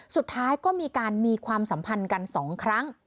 สุดท้ายก็มีการมีความสัมพันธ์กัน๒ครั้ง